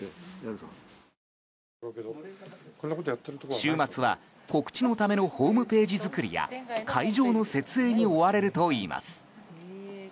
週末は、告知のためのホームページ作りや会場の設営に追われるといいます。